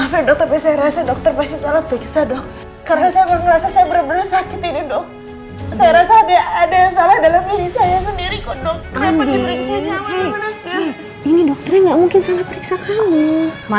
maafin dok tapi saya rasa dokter pasti salah periksa dok